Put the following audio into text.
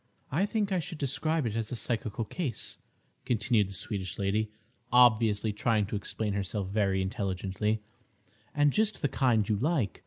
"I think I should describe it as a psychical case," continued the Swedish lady, obviously trying to explain herself very intelligently, "and just the kind you like.